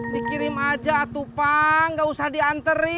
dikirim aja atuh pak gak usah dianterin